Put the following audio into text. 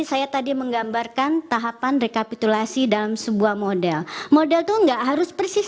saya tadi menggambarkan tahapan rekapitulasi dalam sebuah model model itu enggak harus persis